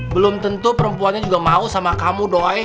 belum tentu perempuannya juga mau sama kamu doain